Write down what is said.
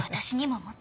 もっと。